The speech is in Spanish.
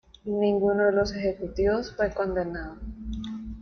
Ninguno de los ejecutivos fue condenado.